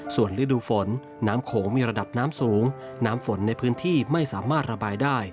ส่วนฤดูฝนน้ำโขงมีระดับน้ำสูงน้ำฝนในพื้นที่ไม่สามารถระบายได้